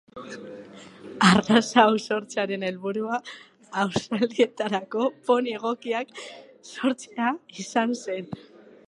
Arraza hau sortzearen helburua haur-zaldiketarako poni egokiak sortzea izan zen.